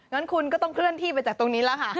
งั้นคุณก็ต้องเคลื่อนที่ไปจากตรงนี้แล้วค่ะ